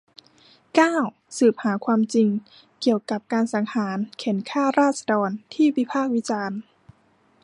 เก้า สืบหาความจริงเกี่ยวกับการสังหารเข่นฆ่าราษฎรที่วิพากษ์วิจารณ์